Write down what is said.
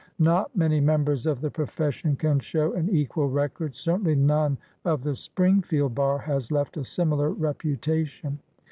Not many members of the pro fession can show an equal record; certainly none of the Springfield bar has left a similar reputa tion.